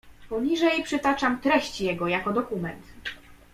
"Poniżej przytaczam treść jego, jako dokument."